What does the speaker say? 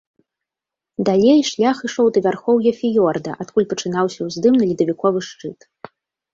Далей шлях ішоў да вярхоўя фіёрда, адкуль пачынаўся ўздым на ледавіковы шчыт.